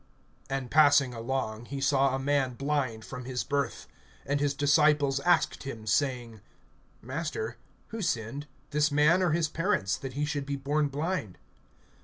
AND passing along, he saw a man blind from his birth. (2)And his disciples asked him, saying: Master, who sinned, this man or his parents, that he should be born blind?